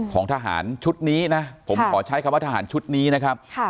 ของทหารชุดนี้นะผมขอใช้คำว่าทหารชุดนี้นะครับ